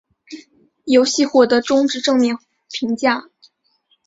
游戏获得中至正面评价。